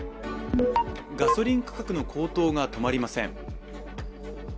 ガソリン価格の高騰が止まりません。